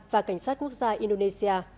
và cảnh sát quốc gia indonesia